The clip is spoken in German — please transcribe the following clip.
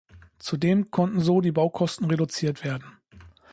Zudem konnten so die Baukosten reduziert werden.